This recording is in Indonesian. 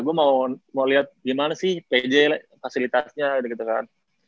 gue mau lihat gimana sih pj fasilitasnya gitu kan